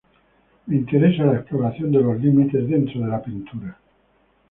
Me interesa la exploración de los límites dentro de la pintura.